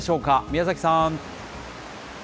宮崎さん。